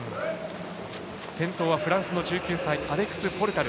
先頭はフランスの１９歳アレクス・ポルタル。